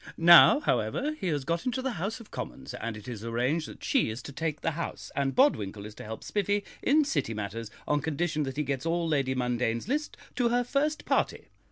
Now, however, he has got into the House of Commons, and it is arranged that she is to take the house, and Bodwinkle is to help Spiffy in City matters, on condition that he gets all Lady Mundane's list to her first party.